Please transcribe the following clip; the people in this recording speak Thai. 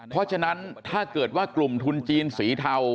เพราะฉะนั้นถ้าเกิดว่ากลุ่มทุนจีนสีเทา